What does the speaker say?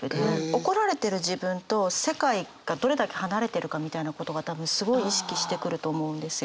怒られてる自分と世界がどれだけ離れてるかみたいなことが多分すごい意識してくると思うんですよ。